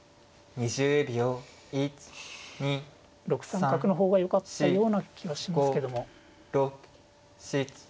６三角の方がよかったような気がしますけども。